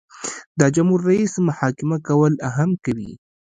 د جمهور رئیس محاکمه کول هم کوي.